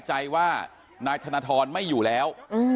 แม่ใจว่างนายทะนทดไม่อยู่แล้ว